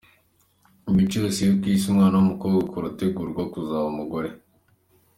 Mu mico yose yo ku isi, umwana wumukobwa akura ategurwa kuzaba umugore.